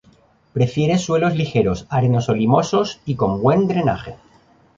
Prefiere suelos ligeros, arenoso-limosos y con buen drenaje.